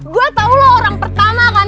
gue tau lo orang pertama kan